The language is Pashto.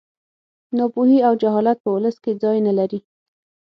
ناپوهي او جهالت په ولس کې ځای نه لري